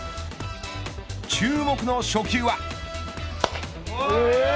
注目の初球は。